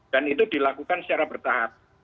dan itu dilakukan secara bertahap